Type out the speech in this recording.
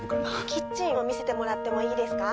キッチンを見せてもらってもいいですか？